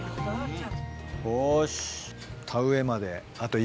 よし。